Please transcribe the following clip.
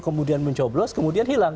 kemudian mencoblos kemudian hilang